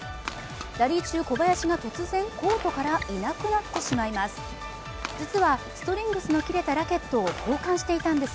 ラリー中、小林が突然、コートからいなくなってしまいます。